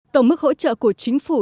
tổng mức hỗ trợ của chính phủ